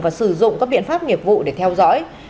và sử dụng các biện pháp nghiệp vụ để theo dõi